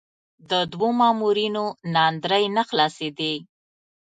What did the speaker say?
د دوو مامورینو ناندرۍ نه خلاصېدې.